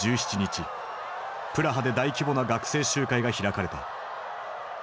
プラハで大規模な学生集会が開かれた。